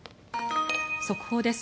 速報です。